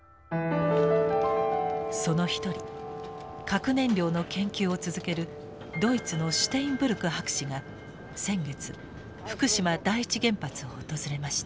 その一人核燃料の研究を続けるドイツのシュテインブルク博士が先月福島第一原発を訪れました。